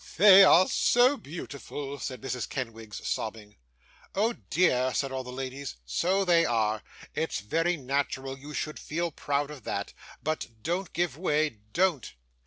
'They are so beautiful!' said Mrs. Kenwigs, sobbing. 'Oh, dear,' said all the ladies, 'so they are! it's very natural you should feel proud of that; but don't give way, don't.